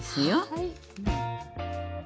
はい。